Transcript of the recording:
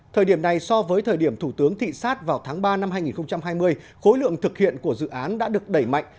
thời điểm này so với thời điểm thủ tướng thị sát vào tháng ba năm hai nghìn hai mươi khối lượng thực hiện của dự án đã được đẩy mạnh